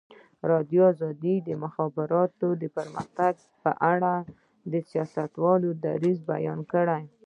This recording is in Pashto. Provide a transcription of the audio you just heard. ازادي راډیو د د مخابراتو پرمختګ په اړه د سیاستوالو دریځ بیان کړی.